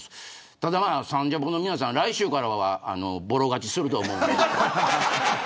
ただ、サンジャポの皆さん来週からはぼろ勝ちすると思うんで。